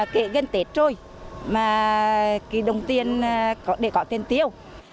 kể gần tết rồi mà cái đồng tiền để có tiền tiêu